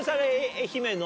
愛媛の？